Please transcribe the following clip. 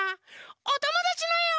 おともだちのえを。